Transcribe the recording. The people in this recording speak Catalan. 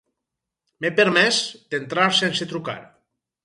M'he permès d'entrar sense trucar.